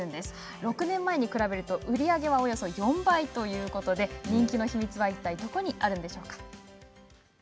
６年前に比べて売り上げはおよそ４倍ということで人気の秘密はいったいどこにあるのでしょうか。